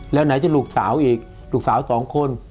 แล้วไหนจะลูกสาวอีกลูกสาวสองคน